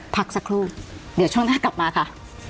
พักสักครู่เดี๋ยวช่วงหน้ากลับมาค่ะ